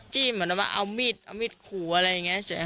จิ้มเหมือนว่าเอามีดเอามีดขู่อะไรอย่างเงี้ยเฉยค่ะ